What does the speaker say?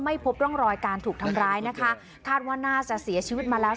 พบร่องรอยการถูกทำร้ายนะคะคาดว่าน่าจะเสียชีวิตมาแล้ว